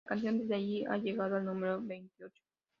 La canción desde allí ha llegado al número veintiocho.